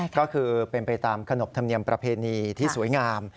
ก็คือเป็นไปตามขนบธรรมเนียมประเพณีที่สวยงาม